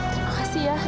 terima kasih ya